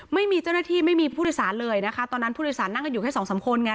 ไม่มีเจ้าหน้าที่ไม่มีผู้โดยสารเลยนะคะตอนนั้นผู้โดยสารนั่งกันอยู่แค่สองสามคนไง